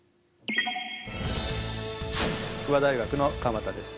筑波大学の鎌田です。